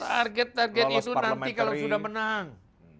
target target itu nanti kalau sudah menang